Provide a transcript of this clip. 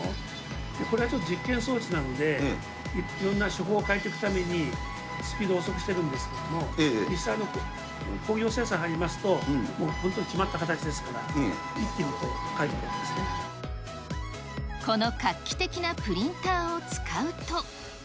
これはちょっと実験装置なんで、いろんな手法を変えていくためにスピードを遅くしてるんですけれども、実際の工業生産に入りますと、もう本当に決まった形ですかこの画期的なプリンターを使うと。